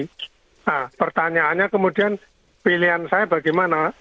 nah pertanyaannya kemudian pilihan saya bagaimana